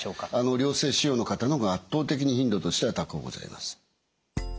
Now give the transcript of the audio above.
良性腫瘍の方のほうが圧倒的に頻度としては高うございます。